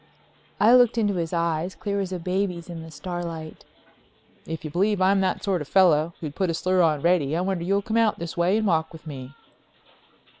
I looked into his eyes, clear as a baby's in the starlight. "If you believe I'm the sort of fellow who'd put a slur on Reddy I wonder you'll come out this way and walk with me."